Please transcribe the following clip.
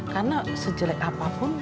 karena sejelek apapun